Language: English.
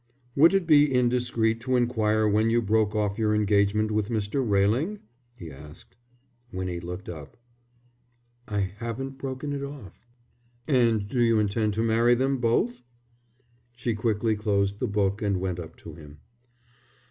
"Would it be indiscreet to inquire when you broke off your engagement with Mr. Railing?" he asked. Winnie looked up. "I haven't broken it off." "And do you intend to marry them both?" She quickly closed the book and went up to him.